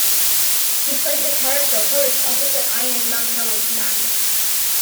He played the character Horst opposite Ian McKellen's Max.